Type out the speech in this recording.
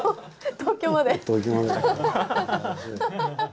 東京まで。